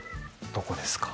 どこですか